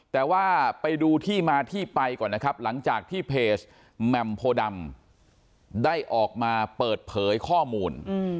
แต่ว่าไปดูที่มาที่ไปก่อนนะครับหลังจากที่เพจแหม่มโพดำได้ออกมาเปิดเผยข้อมูล